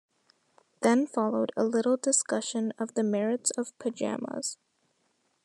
Then followed a little discussion of the merits of pyjamas.